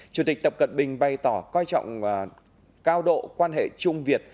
chủ tịch tập cận bình bày tỏ coi trọng cao độ quan hệ trung việt